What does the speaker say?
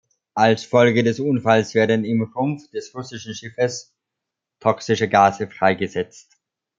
Als Folge des Unfalls werden im Rumpf des russischen Schiffes toxische Gase freigesetzt.